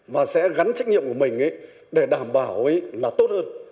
và sẽ gắn trách nhiệm của mình để đảm bảo là tốt hơn